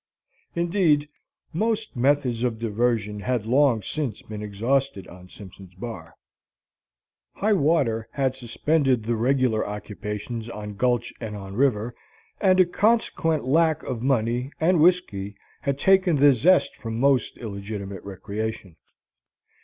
Indeed, most methods of diversion had long since been exhausted on Simpson's Bar; high water had suspended the regular occupations on gulch and on river, and a consequent lack of money and whiskey had taken the zest from most illegitimate recreation.